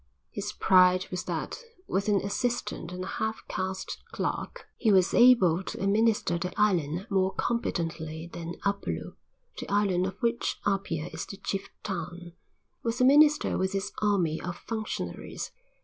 His pride was that with an assistant and a half caste clerk he was able to administer the island more competently than Upolu, the island of which Apia is the chief town, was administered with its army of functionaries.